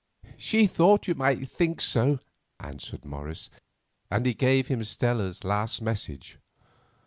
"She thought you might think so," answered Morris, and he gave him Stella's last message.